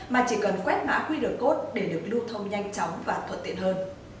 mà chỉ cần quét mã quy đổi cốt để được lưu thông nhanh chóng và thuận tiện hơn